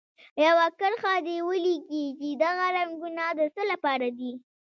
یوه کرښه دې ولیکي چې دغه رنګونه د څه لپاره دي.